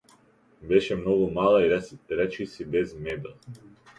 Беше многу мала и речиси без мебел.